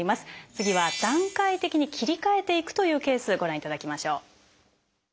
次は段階的に切り替えていくというケースご覧いただきましょう。